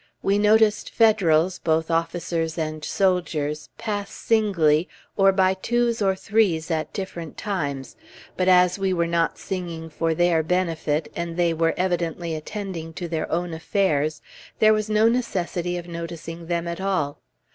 We noticed Federals, both officers and soldiers, pass singly, or by twos or threes at different times, but as we were not singing for their benefit, and they were evidently attending to their own affairs, there was no necessity of noticing them at all.